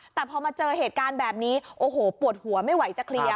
แต่พอมาเจอเหตุการณ์แบบนี้โอ้โหปวดหัวไม่ไหวจะเคลียร์